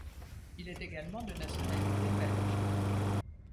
Il est également de nationalité belge.